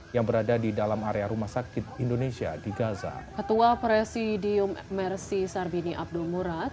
yang berada di dalam area rumah sakit indonesia di gaza ketua presidium mersi sarbini abdul murad